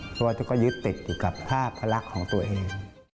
เพราะว่าทุกคนก็ยึดติดอยู่กับภาพลักษณ์ของตัวเอง